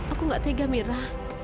aku gak tega mira